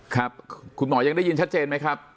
ครับคุณหมอยังได้ยินชัดเจนไหมครับ